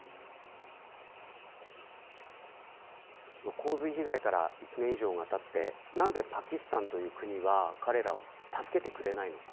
洪水被害から１年以上がたって何でパキスタンという国は彼らを助けてくれないのか。